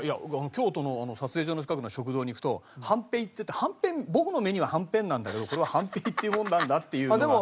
京都の撮影所の近くの食堂に行くとはんぺいっていって僕の目にははんぺんなんだけどこれははんぺいっていうものなんだっていうのが。